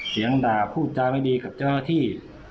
เสียงด่าพูดจาไม่ดีกับเจ้าหน้าที่